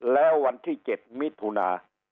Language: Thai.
แล้ววันที่๗มิถุนา